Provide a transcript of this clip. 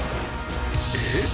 えっ？